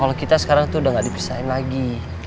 kalo kita sekarang tuh udah gak dipesain lagi